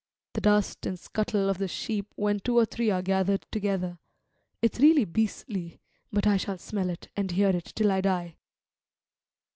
The dust and scuttle of the sheep when two or three are gathered together; it's really beastly, but I shall smell it and hear it till I die."